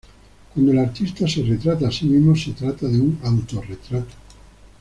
Cuando el artista se retrata a sí mismo se trata de un autorretrato.